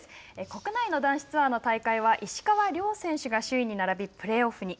国内の男子ツアーの大会は石川遼選手が首位に並びプレーオフに。